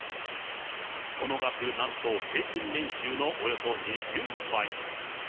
その額、なんと平均年収のおよそ２０倍。